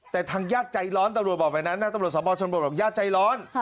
แต่ทางญาติใจร้อนตำรวจบอกแบบนั้นนะตำรวจสมชนบทบอกญาติใจร้อน